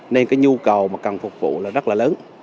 nên cái nhu cầu mà cần phục vụ là rất là lớn